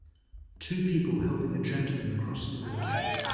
Two people helping a gentleman across the water.